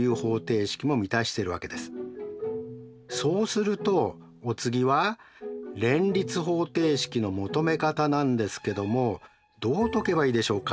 そうするとお次は連立方程式の求め方なんですけどもどう解けばいいでしょうか？